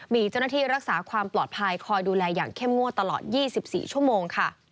มีเจ้าหน้าที่รักษาความปลอดภัยคอยดูแลอย่างเข้มงวดตลอด๒๔ชั่วโมงค่ะ